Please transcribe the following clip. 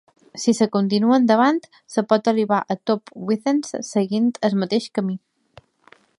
Si es continua endavant, es pot arribar a Top Withens seguint el mateix camí.